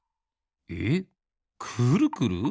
えくるくる？